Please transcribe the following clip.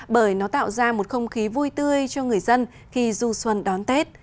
bởi nó tạo ra một không khí vui tươi cho người dân khi du xuân đón tết